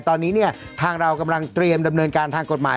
ตอนนี้เนี่ยทางเรากำลังเตรียมดำเนินการทางกฎหมาย